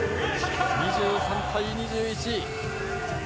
２３対２１。